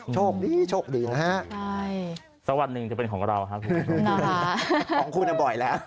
โชคดีโชคดีนะฮะสัวนหนึ่งจะเป็นของเราของคุณอ่ะบ่อยแล้ว